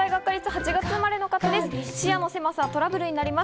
８月生まれの方です。